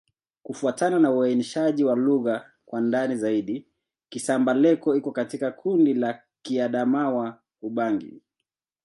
Kufuatana na uainishaji wa lugha kwa ndani zaidi, Kisamba-Leko iko katika kundi la Kiadamawa-Ubangi.